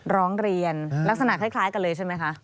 ร้องเรียนลักษณะคล้ายกันเลยใช่ไหมคะ